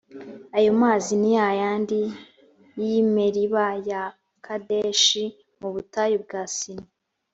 ayo mazi ni ya yandi y’i meriba ya kadeshi mu butayu bwa sini.